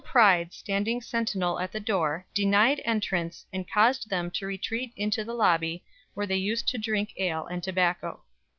Pride standing sentinell at the door, denyed entrance, and caused them to retreat into the Lobby where they used to drink ale and tobacco."